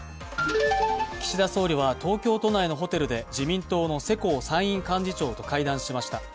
岸田総理は東京都内のホテルで自民党の世耕参院幹事長と会談しました。